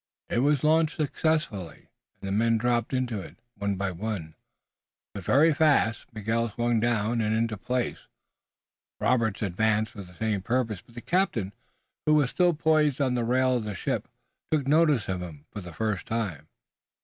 It was launched successfully and the men dropped into it, one by one, but very fast. Miguel swung down and into a place. Robert advanced for the same purpose, but the captain, who was still poised on the rail of the ship, took notice of him for the first time.